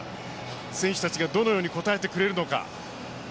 選手たちがどのように応えてくれるのか。